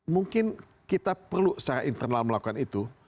mungkin kita perlu secara internal melakukan itu